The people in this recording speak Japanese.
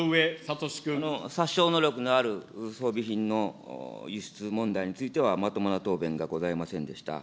殺傷能力のある装備品の輸出問題については、まともな答弁がございませんでした。